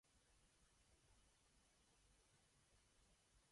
We claim than in fact, that this is so for "only" one.